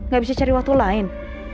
gak bisa cari waktu lain